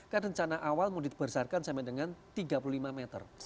kan rencana awal mau dibesarkan sampai dengan tiga puluh lima meter